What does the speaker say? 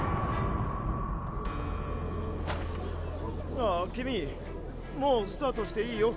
あキミもうスタートしていいよ。